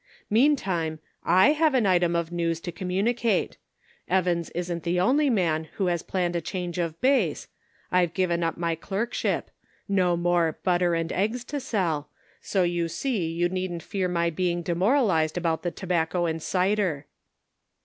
Meantime, / have an item of news to commu nicate ; Evans isn't the only man who has planned a change of base ; I've given up my clerkship : no more ' butter and eggs ' to sell ; so you see you needn't fear my being demor alized about the tobacco and cider."